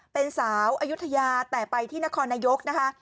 เป็นสาวอายุทยาแต่ไปที่นครนายกนะคะ